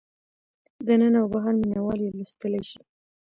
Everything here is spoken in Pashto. دننه او بهر مینه وال یې لوستلی شي.